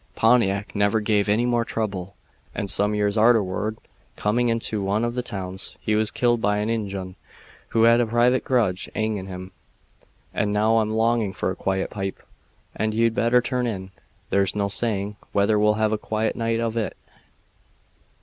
"Pontiac never gave any more trouble, and some years arterward, coming into one of the towns, he was killed by an Injun who had a private grudge agin' him. And now I'm longing for a quiet pipe, and you'd better turn in. There's no saying whether we'll have a quiet night of it."